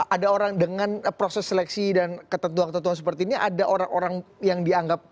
ada orang dengan proses seleksi dan ketentuan ketentuan seperti ini ada orang orang yang dianggap